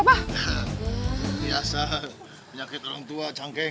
biasa penyakit orang tua cangkeng